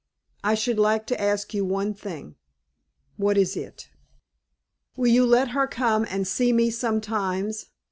I should like to ask one thing." "What is it?" "Will you let her come and see me sometimes?"